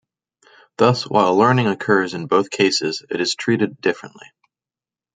Thus, while learning occurs in both cases, it is treated differently.